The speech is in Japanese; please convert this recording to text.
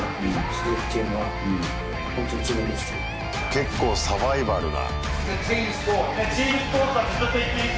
結構サバイバルな。